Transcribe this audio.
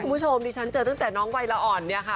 คุณผู้ชมดิฉันเจอตั้งแต่น้องวัยละอ่อนเนี่ยค่ะ